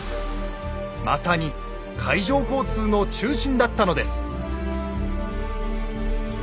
まさに海上交通の中心だったのです。